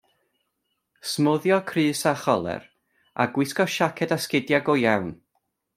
Smwddio crys â choler, a gwisgo siaced a sgidiau go iawn.